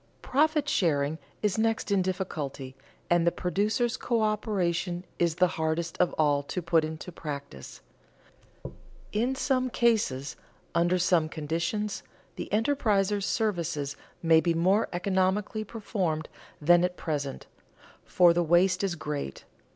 Profit sharing is next in difficulty, and producers' coöperation is the hardest of all to put into practice. In some cases, under some conditions, the enterpriser's services may be more economically performed than at present, for the waste is great.